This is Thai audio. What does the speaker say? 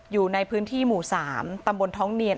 อยู่ในพื้นที่หมู่๓ตำบลท้องเนียน